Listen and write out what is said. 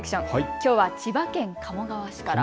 きょうは千葉県鴨川市から。